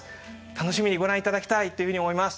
楽しみにご覧いただきたいというふうに思います。